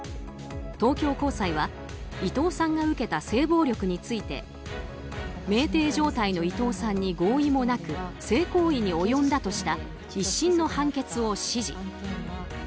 東京高裁は伊藤さんが受けた性暴力について酩酊状態の伊藤さんに合意もなく性行為に及んだとした１審の判決を支持。